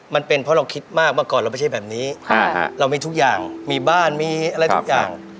มันเป็นเพราะเราคิดมากเมื่อก่อนเราไม่ใช่แบบนี้เรามีทุกอย่างมีบ้านมีอะไรทุกอย่าง